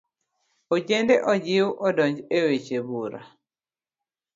Ojende ojiw odonj e weche bura.